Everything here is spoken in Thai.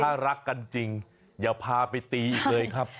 ถ้ารักกันจริงอย่าพาไปตีอีกเลยครับ